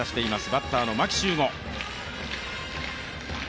バッターの牧秀悟。